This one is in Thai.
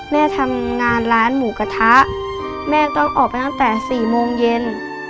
แม่ทำงานร้านหมูกระทะแม่ต้องออกไปตั้งแต่๔โมงเย็น